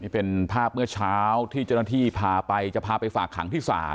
เป็นภาพเมื่อเช้าที่เจ้าหน้าที่พาไปจะพาไปฝากขังที่ศาล